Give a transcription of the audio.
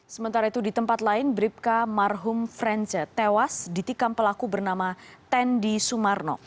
sementara itu di tempat lain bribka marhum frence tewas ditikam pelaku bernama tendy sumarno